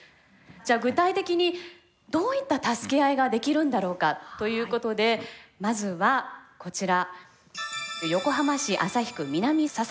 じゃ具体的にどういった助け合いができるんだろうかということでまずはこちら。